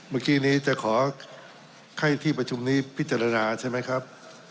เมื่อกี้นี้จะขอให้ที่ประชุมนี้พิจารณาใช่ไหมครับ